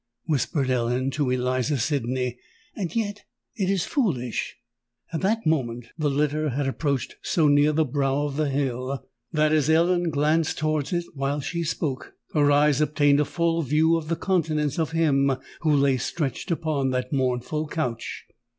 whispered Ellen to Eliza Sydney. "And yet it is foolish——" At that moment the litter had approached so near the brow of the hill, that as Ellen glanced towards it while she spoke, her eyes obtained a full view of the countenance of him who lay stretched upon that mournful couch.